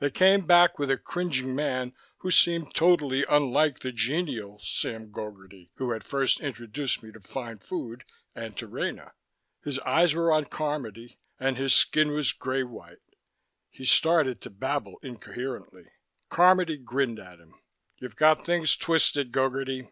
They came back with a cringing man who seemed totally unlike the genial Sam Gogarty who had first introduced me to fine food and to Rena. His eyes were on Carmody, and his skin was gray white. He started to babble incoherently. Carmody grinned at him. "You've got things twisted, Gogarty.